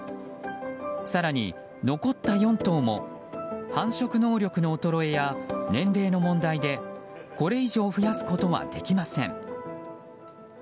更に残った４頭も繁殖能力の衰えや年齢の問題でこれ以上増やすことはできません。